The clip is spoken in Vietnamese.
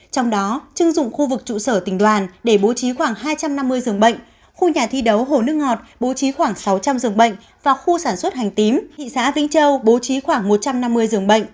trong đó chưng dụng khu vực trụ sở tỉnh đoàn để bố trí khoảng hai trăm năm mươi giường bệnh khu nhà thi đấu hồ nước ngọt bố trí khoảng sáu trăm linh giường bệnh và khu sản xuất hành tím thị xã vĩnh châu bố trí khoảng một trăm năm mươi giường bệnh